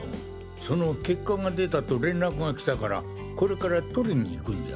その結果が出たと連絡が来たからこれから取りに行くんじゃ！